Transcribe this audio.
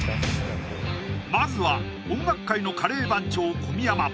まずは音楽界のカレー番長・小宮山